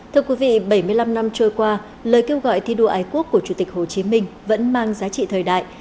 thưa quý vị bảy mươi năm năm trôi qua lời kêu gọi thi đua ái quốc của chủ tịch hồ chí minh vẫn mang giá trị thời đại